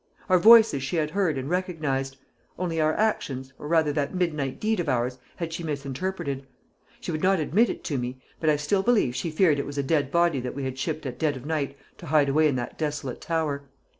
Our voices she had heard and recognised; only our actions, or rather that midnight deed of ours, had she misinterpreted. She would not admit it to me, but I still believe she feared it was a dead body that we had shipped at dead of night to hide away in that desolate tower.